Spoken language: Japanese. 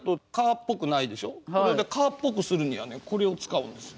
これを蚊っぽくするにはねこれを使うんですよ。